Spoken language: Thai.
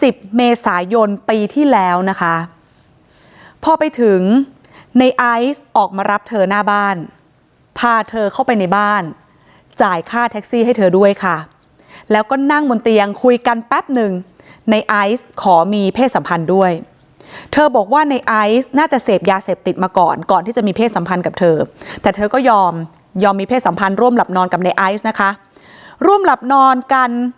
เมษายนปีที่แล้วนะคะพอไปถึงในไอซ์ออกมารับเธอหน้าบ้านพาเธอเข้าไปในบ้านจ่ายค่าแท็กซี่ให้เธอด้วยค่ะแล้วก็นั่งบนเตียงคุยกันแป๊บหนึ่งในไอซ์ขอมีเพศสัมพันธ์ด้วยเธอบอกว่าในไอซ์น่าจะเสพยาเสพติดมาก่อนก่อนที่จะมีเพศสัมพันธ์กับเธอแต่เธอก็ยอมยอมมีเพศสัมพันธ์ร่วมหลับนอนกับในไอซ์นะคะร่วมหลับนอนกัน